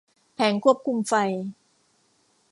แผงควบคุมไฟ